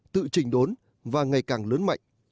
tự trình đốn và ngày càng lớn mạnh